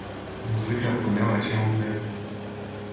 "Muzyka płynęła ciągle."